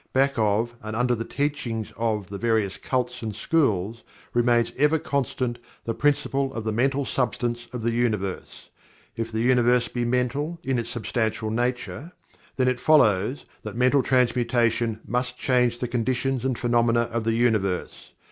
Back of and under the teachings of the various cults and schools, remains ever constant the Principle of the Mental Substance of the Universe. If the Universe be Mental in its substantial nature, then it follows that Mental Transmutation must change the conditions and phenomena of the Universe.